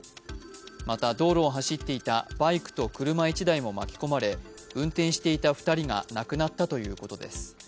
また、道路を走っていたバイクと車１台も巻き込まれ、運転していた２人が亡くなったということです。